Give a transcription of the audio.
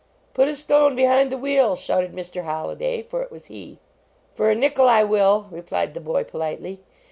" Put a stone behind the wheel ! shouted Mr. Holliday, for it was he. "Fur a nickel I will!" replied the boy, politely.